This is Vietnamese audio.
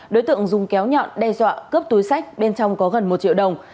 đối tượng dùng kéo nhọn đe dọa cướp túi sách bên trong có gần một triệu đồng